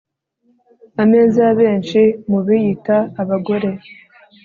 Ameza ya benshi mu biyita abagore